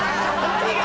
何が？